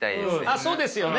あっそうですよね。